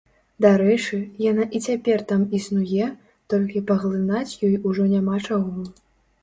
Дарэчы, яна і цяпер там існуе, толькі паглынаць ёй ужо няма чаго.